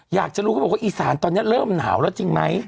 อยากจะรู้เขาบอกว่าอีสานตอนนี้เริ่มหนาวแล้วจริงไหม